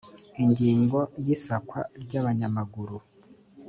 ingingo ya isakwa ry abanyamaguru